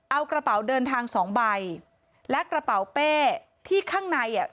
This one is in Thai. เอากระเป๋าเดินทางสองใบและกระเป๋าเป้ที่ข้างในอ่ะ